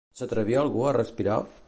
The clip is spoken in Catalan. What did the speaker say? S'atrevia algú a respirar?